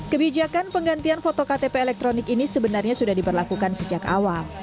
kebijakan penggantian foto ktp elektronik ini sebenarnya sudah diperlakukan sejak awal